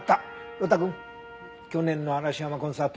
呂太くん去年の嵐山コンサート。